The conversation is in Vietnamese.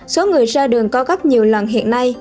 số người ra đường cao gấp nhiều lần hiện nay